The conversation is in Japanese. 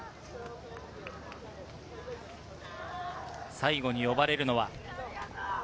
最後に呼ばれるのは。